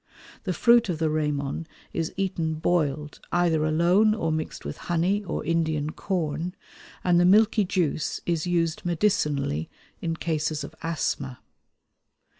The fruit of the ramon is eaten boiled either alone or mixed with honey or Indian corn, and the milky juice is used medicinally in cases of asthma.